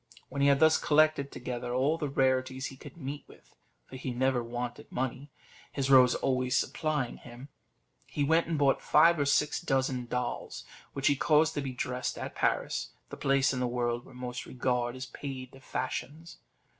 When he had thus collected together all the rarities he could meet with for he never wanted money, his rose always supplying him he went and bought five or six dozen of dolls, which he caused to be dressed at Paris, the place in the world where most regard is paid to fashions.